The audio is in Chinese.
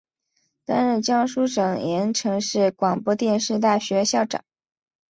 担任江苏省盐城市广播电视大学校长。